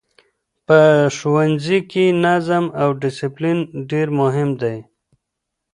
په ښوونځیو کې نظم او ډسپلین ډېر مهم دی.